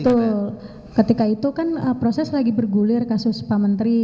betul ketika itu kan proses lagi bergulir kasus pak menteri